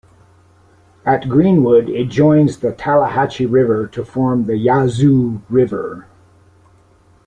At Greenwood it joins the Tallahatchie River to form the Yazoo River.